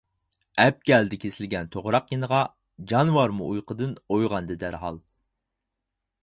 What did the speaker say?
ئەپ كەلدى كېسىلگەن توغراق يېنىغا، جانىۋارمۇ ئۇيقۇدىن ئويغاندى دەرھال.